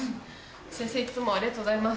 先生いつもありがとうございます。